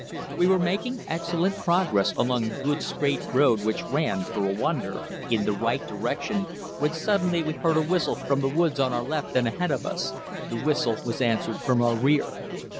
We were making excellent progress along a good straight road which ran, for a wonder, in the right direction, when suddenly we heard a whistle from the woods on our left and ahead of us the whistle was answered from our rear.